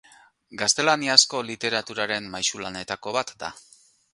Gaztelaniazko literaturaren maisulanetako bat da.